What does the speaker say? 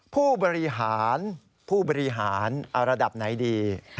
ผู้บริหารผู้บริหารระดับไหนดี